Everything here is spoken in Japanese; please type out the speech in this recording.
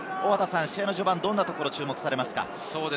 序盤、どんなところに注目されますか？